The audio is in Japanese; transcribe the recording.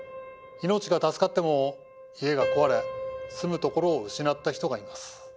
命が助かっても家が壊れ住むところを失った人がいます。